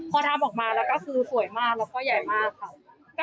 พอทำออกมาแล้วก็คือสวยมากแล้วก็ใหญ่มากค่ะ